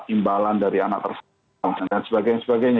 imbalan dari anak tersebut dan sebagainya